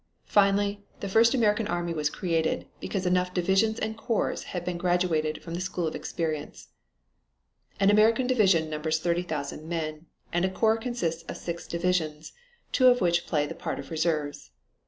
Finally, the first American army was created, because enough divisions and corps had been graduated from the school of experience. An American division numbers 30,000 men, and a corps consists of six divisions, two of which play the part of reserves.